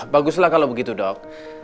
baguslah kalau begitu dok